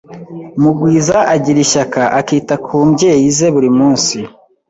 Mugwiza agira ishyaka akita ku mbyeyi ze buri munsi.